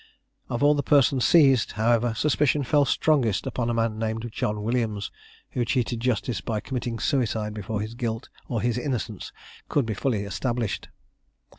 Of all the persons seized, however, suspicion fell strongest upon a man named John Williams, who cheated justice by committing suicide before his guilt or his innocence could be fully established.